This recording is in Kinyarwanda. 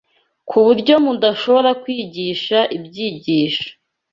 ku buryo mudashobora kwigisha ibyigisho